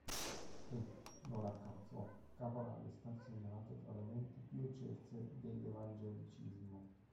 E, non a caso, Caporali è stato segnalato fra le menti più eccelse dell'evangelicismo.